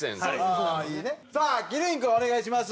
さあ鬼龍院君お願いします。